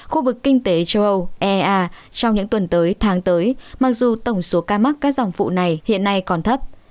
khu vực kinh tế châu âu ea trong những tuần tới tháng tới mặc dù tổng số ca mắc các dòng phụ này hiện nay còn thấp